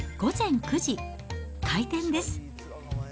午前９時、開店です。